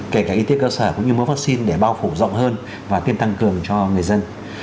kể cả y tế cơ sở cũng như mua vaccine để bao phủ rộng hơn và tiêm tăng cường cho người dân